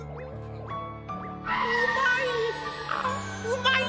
うまい！